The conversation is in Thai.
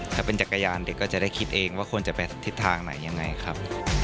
ถ้าเป็นจักรยานเด็กก็จะได้คิดเองว่าควรจะไปทิศทางไหนยังไงครับ